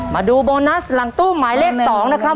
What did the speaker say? มาดูโบนัสหลังตู้หมายเลข๒นะครับ